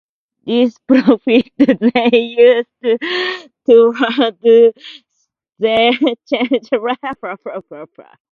This profit they used towards their charitable goals.